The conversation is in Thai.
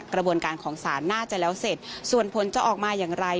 กระบวนการของศาลน่าจะแล้วเสร็จส่วนผลจะออกมาอย่างไร